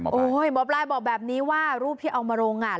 หมอปลายบอกแบบนี้ว่ารูปที่เอามาลงอ่ะ